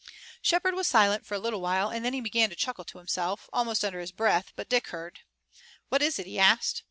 Shepard was silent for a little while and then he began to chuckle to himself, almost under his breath, but Dick heard. "What is it?" he asked.